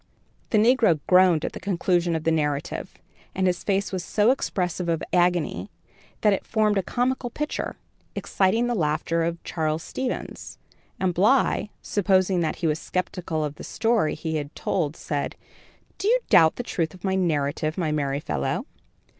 The negro groaned at the conclusion of the narrative, and his face was so expressive of agony, that it formed a comical picture, exciting the laughter of Charles Stevens, and Bly supposing that he was skeptical of the story he had told said: "Do you doubt the truth of my narrative, my merry fellow?